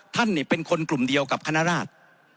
ท่านเป็นคนกลุ่มเดียวกับคณราช